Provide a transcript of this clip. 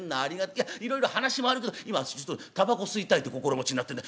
いやいろいろ話もあるけど今私たばこ吸いたいって心持ちになってんだ。